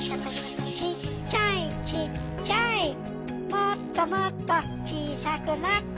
もっともっとちいさくなって。